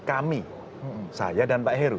kami saya dan pak heru